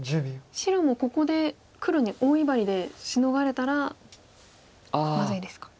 白もここで黒に大威張りでシノがれたらまずいですか。